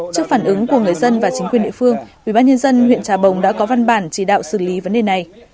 trước phản ứng của người dân và chính quyền địa phương ubnd huyện trà bồng đã có văn bản chỉ đạo xử lý vấn đề này